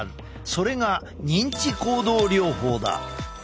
それが認知行動療法だ。